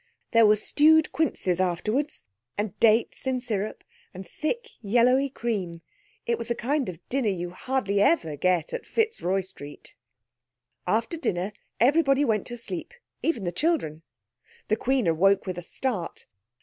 There were stewed quinces afterwards, and dates in syrup, and thick yellowy cream. It was the kind of dinner you hardly ever get in Fitzroy Street. After dinner everybody went to sleep, even the children. The Queen awoke with a start.